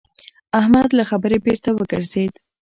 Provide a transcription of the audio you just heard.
احمد له خبرې بېرته وګرځېد.